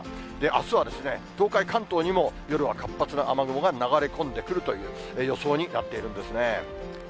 あすはですね、東海、関東にも夜は活発な雨雲が流れ込んでくるという予想になっているんですね。